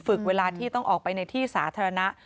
เวลาที่ต้องออกไปในที่สาธารณะ